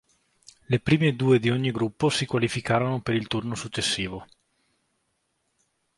Le prime due di ogni gruppo si qualificarono per il turno successivo.